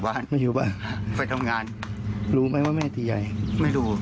ความจำเลอะเลือนเหมือนเด็กแล้วก็ยืนยันว่าตัวเองไม่ได้ทุบตียายเพราะว่ายายดื้อจริง